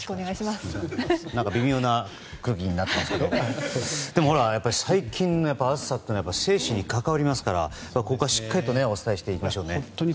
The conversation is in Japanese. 何か微妙な空気になっていますけどもでもほら、最近の暑さというのは生死に関わりますからここはしっかりとお伝えしていきましょうね。